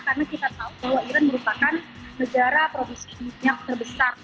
karena kita tahu bahwa iran merupakan negara produksi minyak terbesar